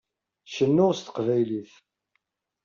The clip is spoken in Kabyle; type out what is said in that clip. Cennuɣ s teqbaylit.